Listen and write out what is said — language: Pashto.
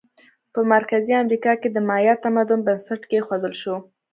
په مرکزي امریکا کې د مایا تمدن بنسټ کېښودل شو.